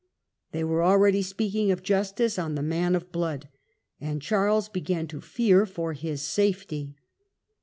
They were already speaking of justice on the " man of blood ", and Charles began to fear for his safety.